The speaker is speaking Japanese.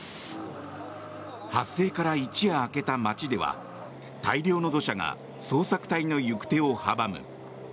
発生から一夜明けた街では大量の土砂が捜索隊の行く手を阻む。